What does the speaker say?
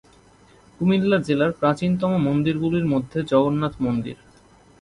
কুমিল্লা জেলার প্রাচীনতম মন্দিরগুলির মধ্যে জগন্নাথ মন্দির।